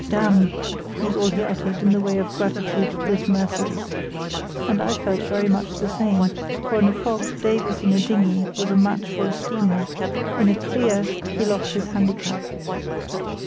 "Damn!" was all he uttered in the way of gratitude for this mercy, and I felt very much the same; for in a fog Davies in a dinghy was a match for a steamer; in a clear he lost his handicap.